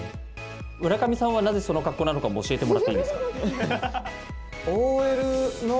村上さんはなぜその格好なのかも教えてもらっていいですか？